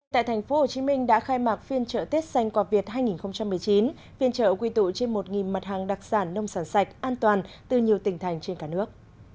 tại tp hcm đã khai mạc phiên chợ tết xanh quà việt hai nghìn một mươi chín phiên chợ quy tụ trên một mặt hàng đặc sản nông sản sạch an toàn từ nhiều tỉnh thành trên cả nước